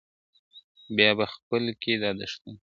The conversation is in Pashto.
بيا به خپل کي دا دښتونه ,